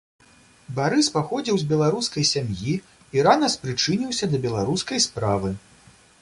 Барыс паходзіў з беларускай сям'і і рана спрычыніўся да беларускай справы.